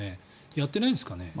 やってないんですかね？